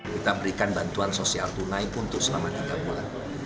kita berikan bantuan sosial tunai untuk selama tiga bulan